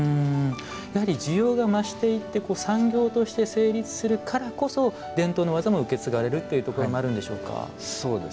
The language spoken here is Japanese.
需要が増していて産業として成立するからこそ伝統の技も受け継がれるというところがあるんでしょうか。